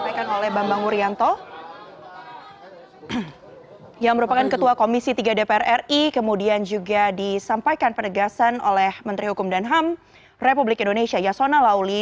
sampaikan oleh bambang wuryanto yang merupakan ketua komisi tiga dpr ri kemudian juga disampaikan pernegasan oleh menteri hukum dan ham republik indonesia yasona lawli